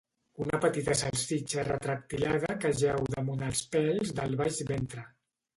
Una petita salsitxa retractilada que jau damunt els pèls del baix ventre.